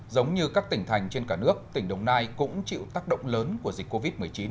giống như các tỉnh thành trên cả nước tỉnh đồng nai cũng chịu tác động lớn của dịch covid một mươi chín